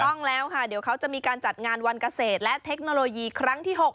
ต้องแล้วค่ะเดี๋ยวเขาจะมีการจัดงานวันเกษตรและเทคโนโลยีครั้งที่๖